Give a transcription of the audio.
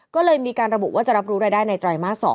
ก็เลยมีการระบุว่าจะรับรู้รายได้ในไตรมาส๒